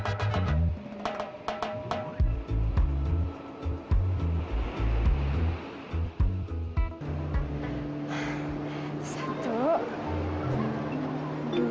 ya ini salah aku